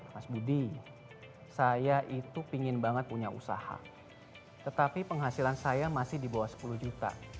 mas budi saya itu pingin banget punya usaha tetapi penghasilan saya masih di bawah sepuluh juta